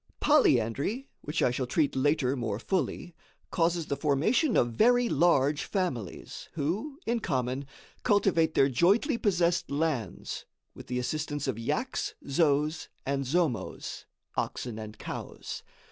Polyandry (which I shall treat later more fully) causes the formation of very large families, who, in common, cultivate their jointly possessed lands, with the assistance of yaks, zos and zomos (oxen and cows).